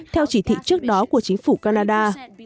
theo chỉ thị trước đó của chính phủ canada